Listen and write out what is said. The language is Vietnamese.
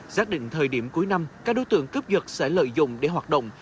giác định thời điểm cuối năm các đối tượng cướp giật sẽ lợi dụng để hoạt động